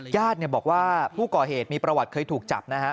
ญาติบอกว่าผู้ก่อเหตุมีประวัติเคยถูกจับนะฮะ